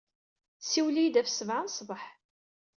Siwel-iyi-d ɣef ssebɛa n sbeḥ.